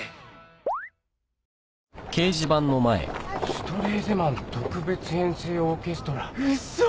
「シュトレーゼマン特別編成オーケストラ」嘘！？